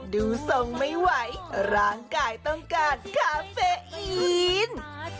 ดูทรงไม่ไหวร่างกายต้องการคาเฟอีน